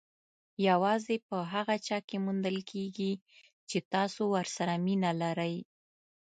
یوازې په هغه چا کې موندل کېږي چې تاسو ورسره مینه لرئ.